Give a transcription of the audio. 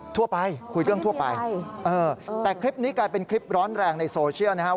ทั่วไปคุยเรื่องทั่วไปแต่คลิปนี้กลายเป็นคลิปร้อนแรงในโซเชียลนะครับ